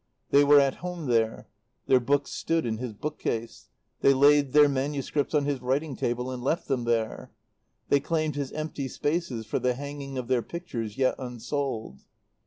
They were at home there. Their books stood in his bookcase; they laid their manuscripts on his writing table and left them there; they claimed his empty spaces for the hanging of their pictures yet unsold.